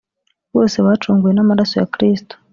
bose bacunguwe n’amaraso ya Kristu